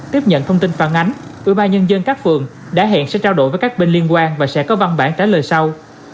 tiếp nhận thông tin phản ánh ưu ba nhân dân các phường đã hẹn sẽ trao đổi với các bên liên quan và sẽ có văn bản trả lời sau